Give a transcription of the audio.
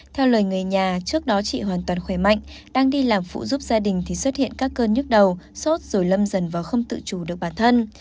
theo lời người nhà trước đó chị hoàn toàn khỏe mạnh đang đi làm phụ giúp gia đình thì xuất hiện các cơn nhức đầu sốt rồi lâm dần và không tự chủ được bản thân